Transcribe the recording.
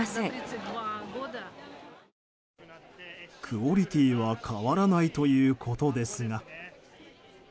クオリティーは変わらないということですが。